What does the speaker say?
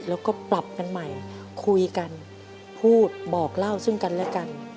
แล้วก็ปรับกันใหม่คุยกันพูดบอกเล่าซึ่งกันและกัน